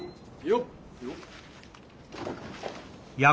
よっ。